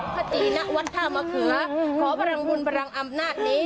พระจีนวัฒนธมาเขือขอบรรคุณบรรคอำนาจนี้